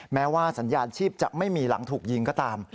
แม้ว่าสัญญาณชีพจะไม่มีหลังถูกยิงก็ตาม